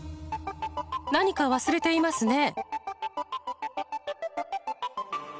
何か忘れていますね。